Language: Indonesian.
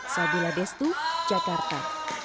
sabila destu jakarta